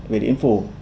về địa điểm phủ